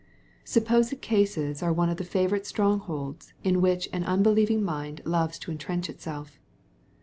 Sup^ posed cases are one of the favorite strongholds in which an unbelieving mind loves to intrench itself.